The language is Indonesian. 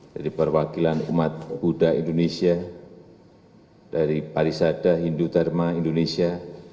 dari perwakilan umat buddha indonesia dari parisada hindu dharma indonesia